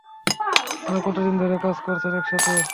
আপনারা কতদিন ধরে কাজ করছেন একসাথে?